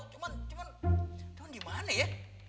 cuman cuman cuman di mana ya